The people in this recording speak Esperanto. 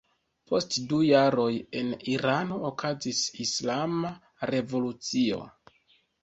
Post du jaroj en Irano okazis Islama Revolucio.